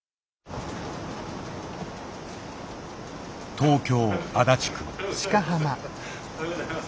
東京足立区。